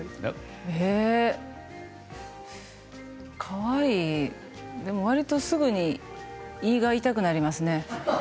かわいい、わりとすぐに胃が痛くなりますね。